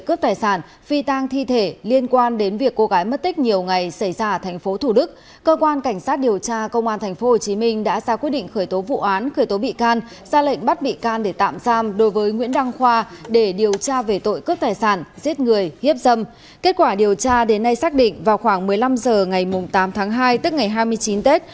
kết quả điều tra đến nay xác định vào khoảng một mươi năm h ngày tám tháng hai tức ngày hai mươi chín tết